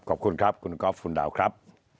ขอบคุณครับคุณก๊อฟคุณดาวครับ